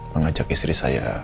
mengajak istri saya